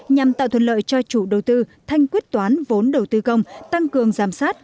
nhằm tạo thuận lợi cho chủ đầu tư thanh quyết toán vốn đầu tư công tăng cường giám sát